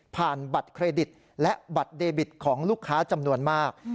บัตรเครดิตและบัตรเดบิตของลูกค้าจำนวนมาก